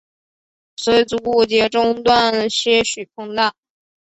所有足股节中段些许膨大。